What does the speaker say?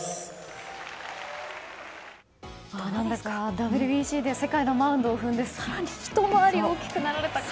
ＷＢＣで世界のマウンドを踏んで更にひと回り大きくなられた感じが。